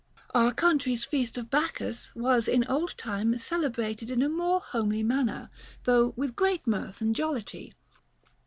Our country's feast of Bacchus was in old time cele brated in a more homely manner, though with great mirth and jollity.